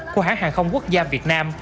của hãng hàng không quốc gia việt nam